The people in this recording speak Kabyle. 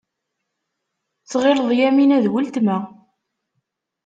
Tɣileḍ Yamina d weltma.